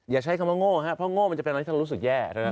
ใช้คำว่าโง่ครับเพราะโง่มันจะเป็นอะไรที่เรารู้สึกแย่